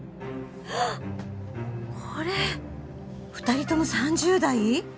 ２人とも３０代？